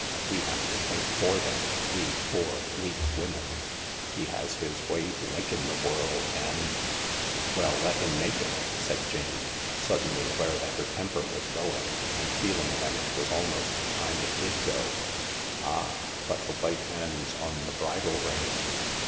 We have to think for them, we poor, weak women. He has his way to make in the world, and "" Well, let him make it !" said Jane, suddenly aware \ THE LARK 218 that her temper was going and feeling that it was almost time it did go, " Ah !— but the white hands on the bridle rein.